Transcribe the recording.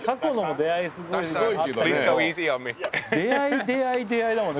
出会い出会い出会いだもんね。